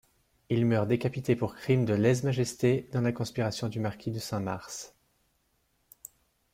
Il meurt décapité pour crime de lèse-majesté dans la conspiration du marquis de Cinq-Mars.